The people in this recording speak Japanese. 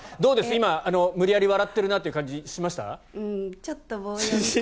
今、無理やり笑ってるなという感じがしました？